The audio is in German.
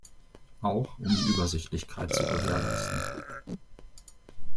Auch um die Übersichtlichkeit zu gewährleisten.